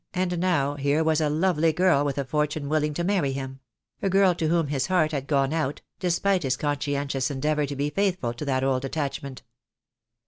and now here was a lovely girl with a fortune willing to marry him — a girl to whom his heart had gone out, despite his conscientious endeavour to be faithful to that old attachment.